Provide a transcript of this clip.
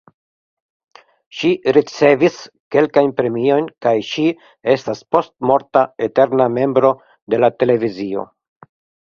Ŝi ricevis kelkajn premiojn kaj ŝi estas postmorta "eterna membro de la televizio".